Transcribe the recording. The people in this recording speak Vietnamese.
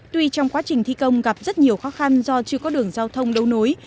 tuy trong quá trình thi công gặp rất nhiều khó khăn do chưa có đường giao thông đấu nối